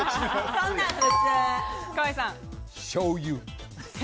そんなん普通。